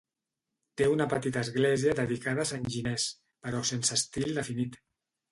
Té una petita església dedicada a Sant Ginés, però sense estil definit.